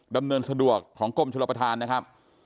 ดำเนินสะดวกของกรมชลประธานนะครับ